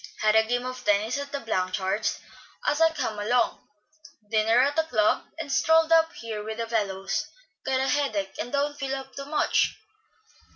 Had a game of tennis at the Blanchards' as I came along, dinner at the club, and strolled up here with the fellows. Got a headache, and don't feel up to much."